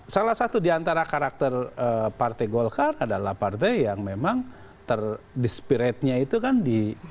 salah satu diantara karakter partai gokar adalah partai yang memang terdispiritnya itu kan di